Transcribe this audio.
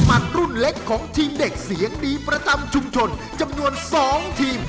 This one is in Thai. วันนี้ประจำชุมชนจำนวน๒ทีม